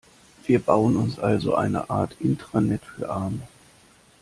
Wir bauen uns also so eine Art Intranet für Arme.